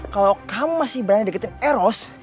kalau kamu masih berani deketin eros